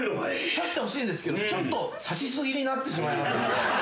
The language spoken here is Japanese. さしてほしいんですけどちょっとさしすぎになってしまいますので。